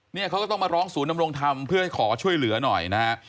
เนี่ยเขาก็ต้องมาร้องศูนย์ดำรงธรรมเพื่อให้ขอช่วยเหลือหน่อยนะฮะ